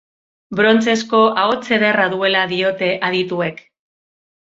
Brontzezko ahots ederra duela diote adituek.